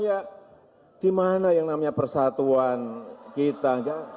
ya di mana yang namanya persatuan kita